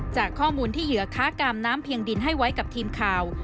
จากข้อมูลที่เหยื่อค้ากามน้ำเพียงดินให้ไว้กับทีมข่าว